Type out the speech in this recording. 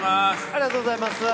ありがとうございます。